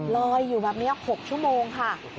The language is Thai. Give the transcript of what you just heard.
อยู่แบบนี้๖ชั่วโมงค่ะ